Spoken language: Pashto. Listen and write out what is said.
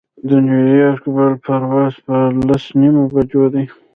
د نیویارک بل پرواز پر لس نیمو بجو دی.